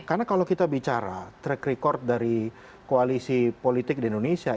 karena kalau kita bicara track record dari koalisi politik di indonesia